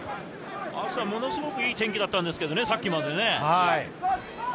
ものすごくいい天気だったんですけどね、さっきまで。